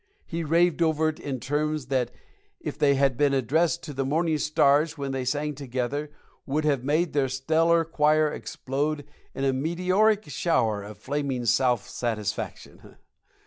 He raved over it in terms that, if they had been addressed to the morning stars when they sang together, would have made that stellar choir explode in a meteoric shower of flaming self satisfaction.